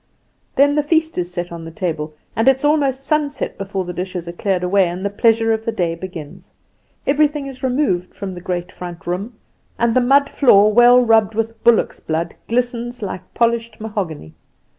Then the feast is set on the table, and it is almost sunset before the dishes are cleared away, and the pleasure of the day begins. Everything is removed from the great front room, and the mud floor, well rubbed with bullock's blood, glistens like polished mahogany.